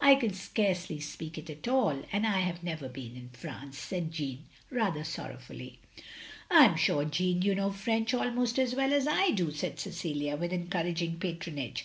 "I can scarcely speak it at all. And I have never been in Prance," said Jeanne, rather sorrowfully. "I am sure, Jeanne, you know Prench almost as well as I do," said Cecilia, with encouraging patronage.